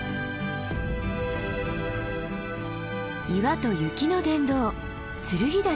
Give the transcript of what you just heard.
岩と雪の殿堂剱岳。